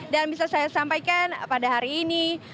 dan bisa saya sampaikan pada hari ini